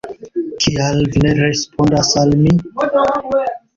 Kial vi ne respondas al mi?